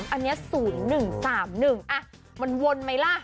อันนี้๐๑๓๑มันวนไหมล่ะ